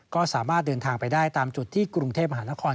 ก็สามารถเดินทางไปได้ตามจุดที่กรุงเทพมหานคร